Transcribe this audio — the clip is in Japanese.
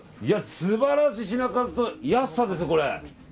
素晴らしい品数と安さですね、これ。